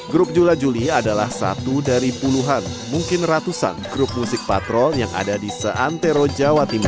grup jula juli adalah satu dari puluhan mungkin ratusan grup musik patrol yang ada di seantero jawa timur